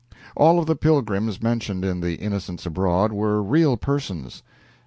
All of the "pilgrims" mentioned in "The Innocents Abroad" were real persons.